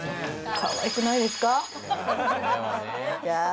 かわいくないですか？